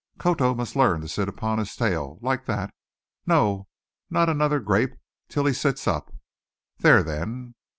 "Koto must learn to sit upon his tail like that. No, not another grape till he sits up. There, then!"